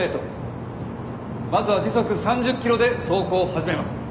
まずは時速３０キロで走行を始めます。